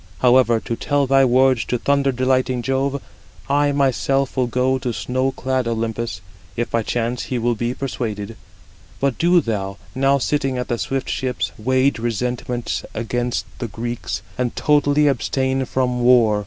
However, to tell thy words to thunder delighting Jove, I myself will go to snow clad Olympus, if by chance he will be persuaded. But do thou, now sitting at the swift ships, wage resentment against the Greeks, and totally abstain from war.